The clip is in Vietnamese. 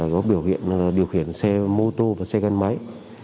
có biểu hiện điều khiển xe mô tô và xe gắn máy